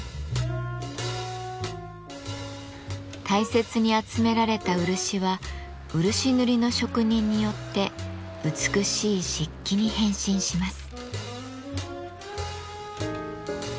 大切に集められた漆は漆塗りの職人によって美しい漆器に変身します。